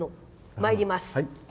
まいります。